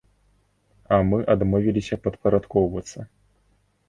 А мы адмовіліся падпарадкоўвацца.